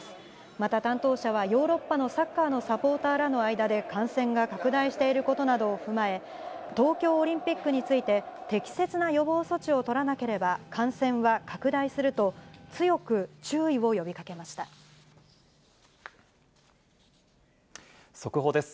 また担当者は、ヨーロッパのサッカーのサポーターらの間で感染が拡大していることなどを踏まえ、東京オリンピックについて、適切な予防措置を取らなければ、感染は拡大すると、強く注意を呼速報です。